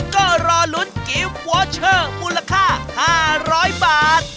ก็รอลุ้นกิฟต์วอเชอร์มูลค่า๕๐๐บาท